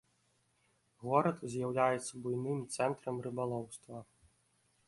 Горад з'яўляецца буйным цэнтрам рыбалоўства.